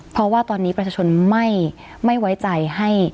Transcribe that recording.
เพราะว่าตอนนี้ประชาชนไม่ไว้ใจให้